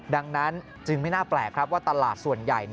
ดังนั้นจึงไม่น่าแปลกครับว่าตลาดส่วนใหญ่